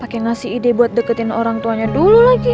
pakai ngasih ide buat deketin orang tuanya dulu lagi